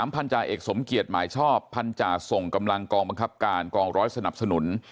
พันธาเอกสมเกียจหมายชอบพันธาส่งกำลังกองบังคับการกองร้อยสนับสนุน